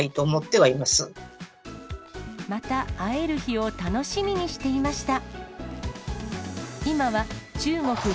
また、会える日を楽しみにしていました。